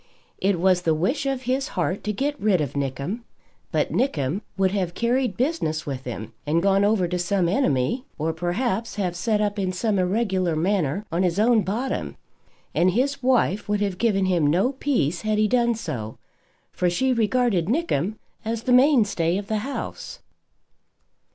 It was the wish of his heart to get rid of Nickem; but Nickem would have carried business with him and gone over to some enemy, or, perhaps have set up in some irregular manner on his own bottom; and his wife would have given him no peace had he done so, for she regarded Nickem as the mainstay of the house.